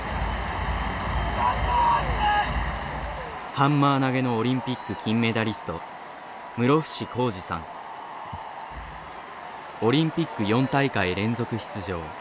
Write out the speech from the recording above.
ハンマー投げのオリンピック金メダリストオリンピック４大会連続出場。